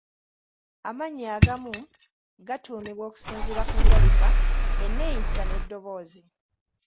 Amannya agamu gatuumibwa okusinziira ku ndabika, enneeyisa n'eddoboozi.